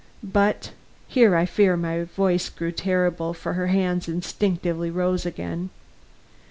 But " Here I fear my voice grew terrible, for her hands instinctively rose again.